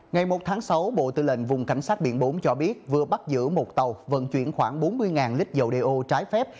ngày một tháng sáu bộ tư lệnh vùng cảnh sát biển bốn cho biết vừa bắt giữ một tàu vận chuyển khoảng bốn mươi lít dầu đeo trái phép